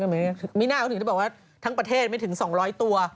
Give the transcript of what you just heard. มิน่าเขาถึงได้บอกว่าทั้งประเทศไม่ถึง๒๐๐ตัว